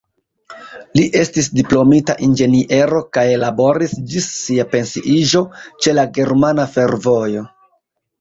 Li estis diplomita inĝeniero kaj laboris ĝis sia pensiiĝo ĉe la Germana Fervojo.